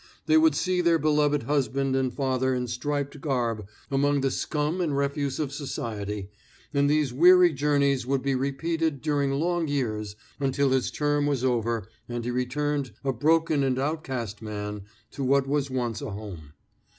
They would see their beloved husband and father in striped garb among the scum and refuse of society, and these weary journeys would be repeated during long years until his term was over and he returned a broken and outcast man to what was once a home.